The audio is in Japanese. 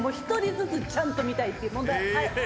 １人ずつ、ちゃんと見たいって。